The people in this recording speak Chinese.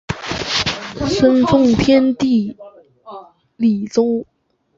生奉天皇帝李琮。